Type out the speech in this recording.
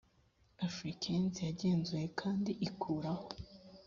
africaines yagenzuye kandi ikuraho